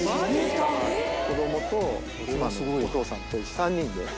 子どもと妻のお父さんと３人で。